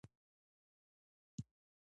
سارا جانه په قد کوچنۍ مګر د ښه ذهن لرونکې ده.